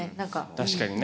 確かにね。